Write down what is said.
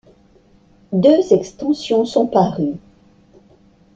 Deux extensions sont parues.